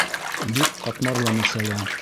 Бик ҡатмарлы мәсьәлә.